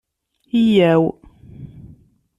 Yya-w!